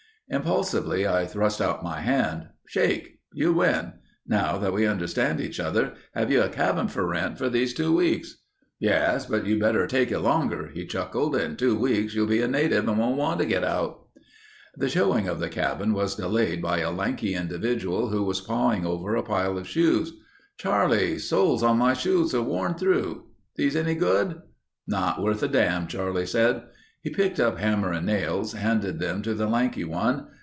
Impulsively I thrust out my hand. "Shake. You win. Now that we understand each other, have you a cabin for rent for these two weeks?" "Yes, but you'd better take it longer," he chuckled. "In two weeks you'll be a native and won't want to get out." The showing of the cabin was delayed by a lanky individual who was pawing over a pile of shoes. "Charlie, soles on my shoes are worn through. These any good?" "Not worth a dam'," Charlie said. He picked up hammer and nails, handed them to the lanky one.